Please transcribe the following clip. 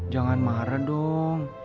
jangan marah dong